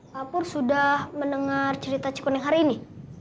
pak pur sudah mendengar cerita cikun yang hari ini